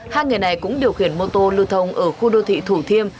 hai người này cũng điều khiển mô tô lưu thông ở khu đô thị thủ thiêm